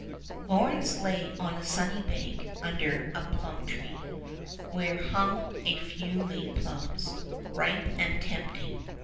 AWRENCE lay on a sunny bank under a plum tree, where hung a few late plums, ripe and tempting.